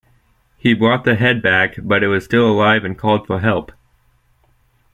He brought the head back, but it was still alive and called for help.